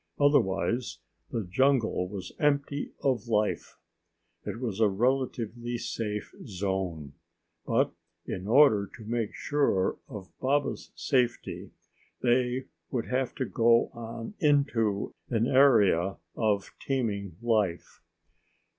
Otherwise the jungle was empty of life. It was a relatively safe zone. But in order to make sure of Baba's safety, they would have to go on into an area of teeming life.